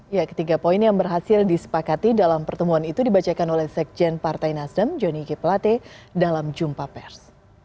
ya ketiga poin yang berhasil disepakati dalam pertemuan itu dibacakan oleh sekjen partai nasdem joni g pelate dalam jumpa pers